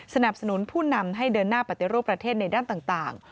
สนับสนุนผู้นำให้เดินหน้าปฏิรูปประเทศในด้านต่าง